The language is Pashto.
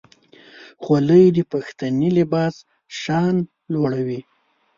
خولۍ د پښتني لباس شان لوړوي.